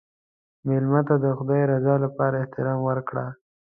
مېلمه ته د خدای رضا لپاره احترام ورکړه.